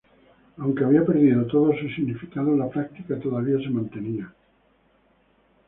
Aunque había perdido todo su significado, la práctica todavía se mantenía.